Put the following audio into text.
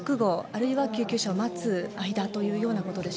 あるいは救急車を待つ間